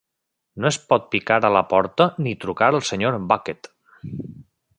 No es pot picar a la porta ni trucar al senyor Bucket.